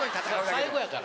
最後やから。